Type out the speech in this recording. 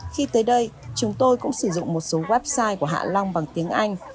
khi tới đây chúng tôi cũng sử dụng một số website của hạ long bằng tiếng anh